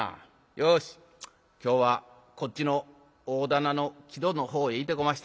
よし今日はこっちの大店の木戸の方へいてこましたろかな。